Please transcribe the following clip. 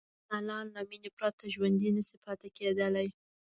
انسانان له مینې پرته ژوندي نه شي پاتې کېدلی.